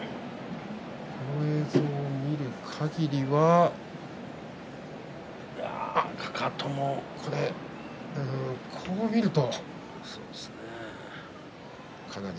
この映像を見るかぎりではかかとも、これ、こう見ると。